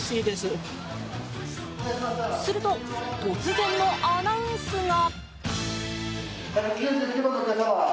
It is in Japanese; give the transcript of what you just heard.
すると、突然のアナウンスが。